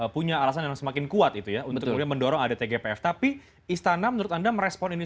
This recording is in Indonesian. punya alasan yang semakin kuat itu ya untuk kemudian mendorong ada tgpf tapi istana menurut anda merespon ini